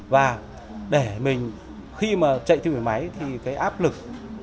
và để mình khi mà chạy tim phổi máy thì cái áp lực